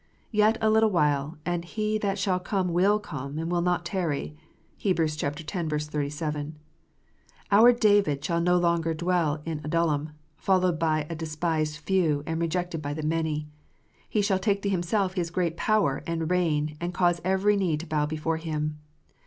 " Yet a little while, and He that shall come will come, and will not tarry." (Heb. x. 37.) Our David shall no longer dwell in Adullam, followed by a despised few, and rejected by the many. He shall take to Himself His great power, and reign, and cause every knee to bow before Him.